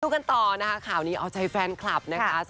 รู้กันต่อข่าวนี้อ๋อใจแฟนคลับ